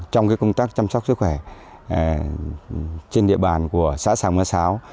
trong công tác chăm sóc sức khỏe trên địa bàn của xã xà mưa sáo